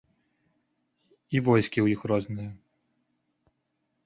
І войскі ў іх розныя.